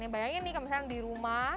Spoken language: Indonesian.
bayangin nih di rumah